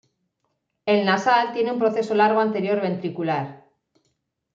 El nasal tiene un proceso largo anterior ventricular.